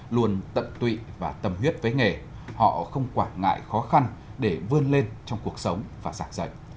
luôn tận tụy và tâm huyết với nghề họ không quản ngại khó khăn để vươn lên trong cuộc sống và giảng dạy